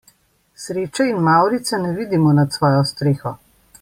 Sreče in mavrice ne vidimo nad svojo streho.